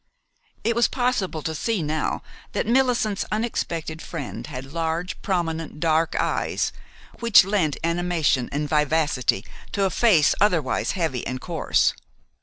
It was possible to see now that Millicent's unexpected friend had large, prominent dark eyes which lent animation and vivacity to a face otherwise heavy and coarse.